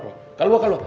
kalua kalua kalua